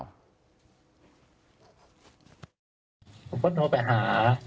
ผมก็โทรไปหา